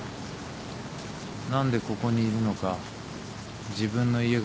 何でここにいるのか自分の家がどこなのか。